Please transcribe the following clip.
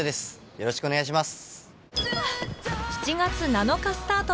よろしくお願いします。